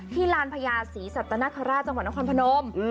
ลานพญาศรีสัตนคราชจังหวัดนครพนม